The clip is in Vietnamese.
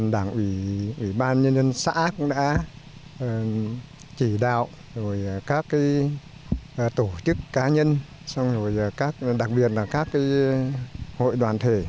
đảng ủy ủy ban nhân dân xã cũng đã chỉ đạo các tổ chức cá nhân đặc biệt là các hội đoàn thể